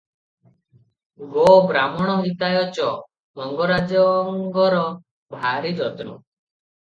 'ଗୋ ବ୍ରାହ୍ମଣ ହିତାୟ ଚ' ମଙ୍ଗରାଜଙ୍ଗର ଭାରି ଯତ୍ନ ।